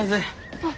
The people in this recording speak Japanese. あっ。